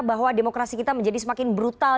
bahwa demokrasi kita menjadi semakin brutal